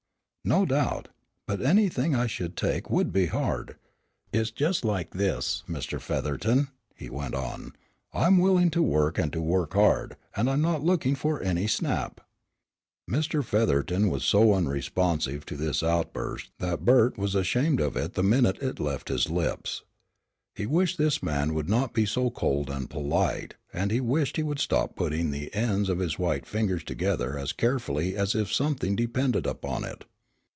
"No doubt. But anything I should take would be hard. It's just like this, Mr. Featherton," he went on, "I am willing to work and to work hard, and I am not looking for any snap." Mr. Featherton was so unresponsive to this outburst that Bert was ashamed of it the minute it left his lips. He wished this man would not be so cold and polite and he wished he would stop putting the ends of his white fingers together as carefully as if something depended upon it.